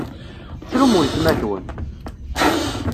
Tessrum weltma-twen!